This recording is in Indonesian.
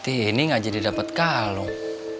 ini ga jadi dapet kalung